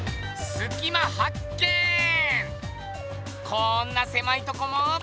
こんなせまいとこも。